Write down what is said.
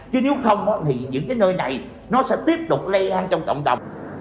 chứ nếu không thì những cái nơi này nó sẽ tiếp tục lây lan trong cộng đồng